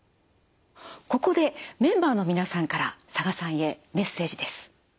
ここでメンバーの皆さんから佐賀さんへメッセージです。